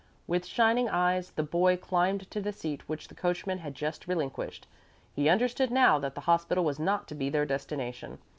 With shining eyes the boy climbed to the seat which the coachman had just relinquished. He understood now that the hospital was not to be their destination.